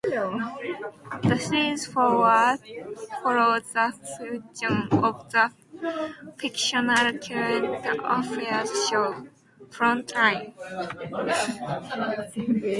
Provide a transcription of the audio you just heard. The series follows the fortunes of a fictional current affairs show, "Frontline".